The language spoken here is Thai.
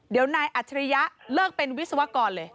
เดี๋ยวนายอัจฉริยะเลิกเป็นวิศวกรเลย